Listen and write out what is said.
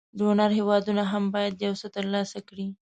ډونر هېوادونه هم باید یو څه تر لاسه کړي.